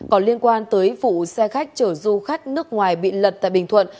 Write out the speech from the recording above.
có liên quan tới vụ xe khách chở du khách nước ngoài bị lật tại bình thuận